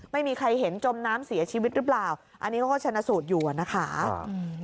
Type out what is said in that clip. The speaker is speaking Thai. ไม่มีใครเห็นจมน้ำเสียชีวิตหรือเปล่าอันนี้เขาก็ชนะสูตรอยู่อ่ะนะคะครับ